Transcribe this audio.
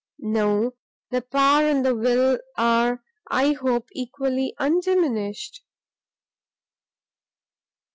"No; the power and the will are I hope equally undiminished."